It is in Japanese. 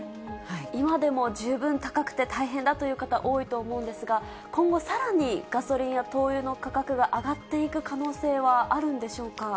今でも十分高くて大変だという方、多いと思うんですが、今後さらに、ガソリンや灯油の価格が上がっていく可能性はあるんでしょうか？